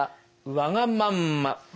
わがまんま。